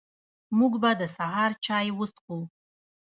موږ به د سهار چاي وڅښو